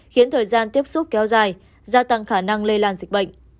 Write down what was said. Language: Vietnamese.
khiến thời gian tiếp xúc kéo dài gia tăng khả năng lây lan dịch bệnh